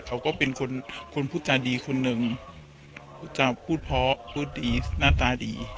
เค้าก็เป็นคนพูดตาดีคนหนึ่งพูดพอพูดดีหน้าตาดี